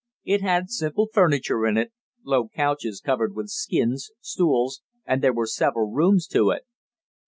It had simple furniture in it, low couches covered with skins, stools, and there were several rooms to it.